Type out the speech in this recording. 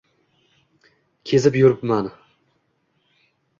Kezib yuribman.